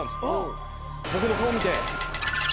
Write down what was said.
僕の顔見て。